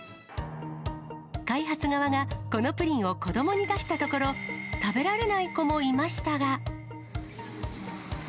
開発側が、このプリンを子どもに出したところ、食べられない子もいましたが。